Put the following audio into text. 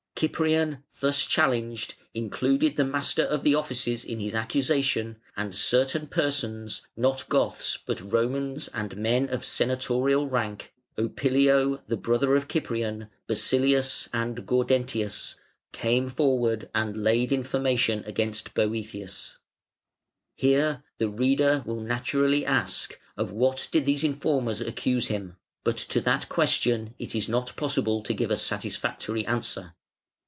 Cyprian, thus challenged, included the Master of the Offices in his accusation, and certain persons, not Goths, but Romans and men of senatorial rank, Opilio (the brother of Cyprian), Basilius, and Gaudentius, came forward and laid information against Boëthius. [Footnote 130: See p. 150.] Here the reader will naturally ask, "Of what did these informers accuse him?" but to that question it is not possible to give a satisfactory answer.